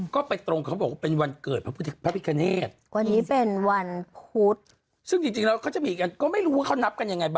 ไม่นะแม่วันเกิดวันพี่ค่ะเลน่ะคนรอแม่อยู่นะมูยังไง